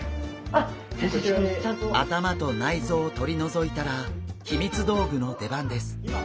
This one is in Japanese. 頭と内臓を取り除いたら秘密道具の出番です！